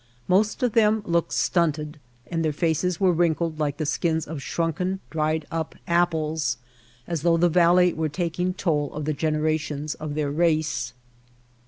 Most of them looked stunted and their faces were wrinkled like the skins of shrunken, dried up apples, as though the valley were taking toll of the generations of their race.